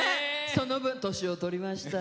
その分、年をとりましたよ。